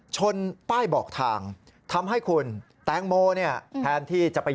โอ้โหแบบนี้นะครับ